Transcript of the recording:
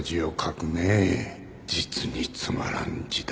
実につまらん字だ